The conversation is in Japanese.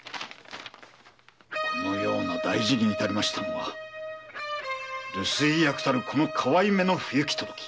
このような大事に至ったのは留守居役たるこの河合の不行き届き。